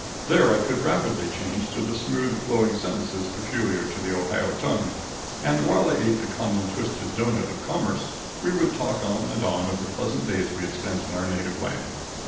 There I could rapidly change to the smoothly flowing sentences peculiar to the Ohio tongue, and while I ate the common twisted doughnut of commerce, we would talk on and on of the pleasant days we had spent in our native land.